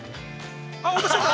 ◆落としちゃった。